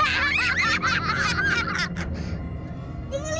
gak bakal susah hidup lu